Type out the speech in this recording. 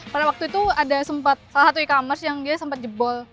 pada waktu itu ada sempat salah satu e commerce yang dia sempat jebol